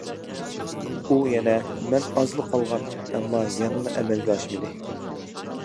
ئۇ يەنە: مەن ئازلا قالغان، ئەمما يەنىلا ئەمەلگە ئاشمىدى.